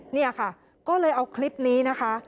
นี่ค่ะก็เลยเอาคลิปนี้นะคะ